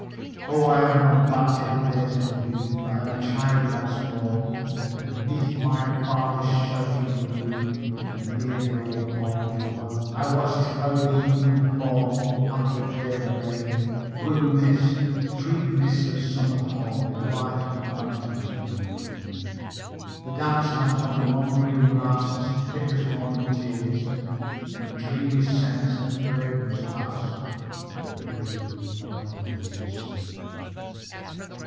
O, I'm gone back to the days of youth, I am a child once more, And 'neath my father's sheltering roof And near the old hall door I watch this cloudy evening fall After a day of rain; Blue mists, sweet mists of summer pall The horizon's mountain chain. The damp stands on the long green grass As thick as morning's tears, And dreamy scents of fragrance pass That breathe of other years.